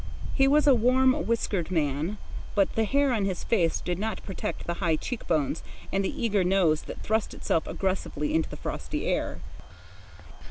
He was a warm whiskered man, but the hair on his face did not protect the high cheek bones and the eager nose that thrust itself aggressively into the frosty air.